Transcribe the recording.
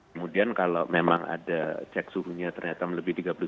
kemudian kalau memang ada cek suhunya ternyata melebih tiga puluh tujuh